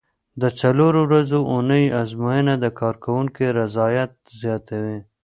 د څلورو ورځو اونۍ ازموینه د کارکوونکو رضایت زیاتوي.